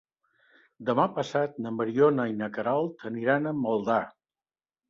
Demà passat na Mariona i na Queralt aniran a Maldà.